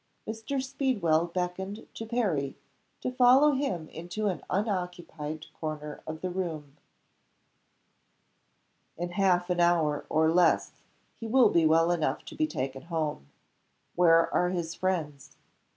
Mr. Speedwell beckoned to Perry to follow him into an unoccupied corner of the room. "In half an hour or less he will be well enough to be taken home. Where are his friends?